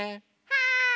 はい。